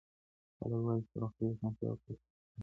خلګ وايي چی د روغتيايي اسانتياوو کچه ښه سوي ده.